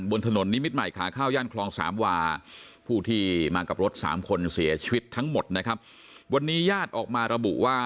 บนถนนนิมิดใหม่ข่าว